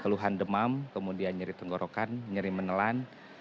keluhan demam kemudian nyeri tenggorokan nyeri menelan